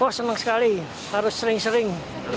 wah senang sekali harus sering sering